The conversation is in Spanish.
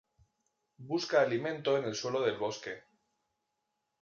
Busca alimento en el suelo del bosque.